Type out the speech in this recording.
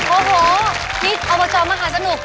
โอ้โหที่อบจมหาสนุก